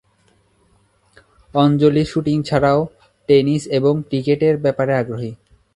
অঞ্জলি shooting ছাড়াও tennis এবং ক্রিকেটের ব্যাপারে আগ্রহী।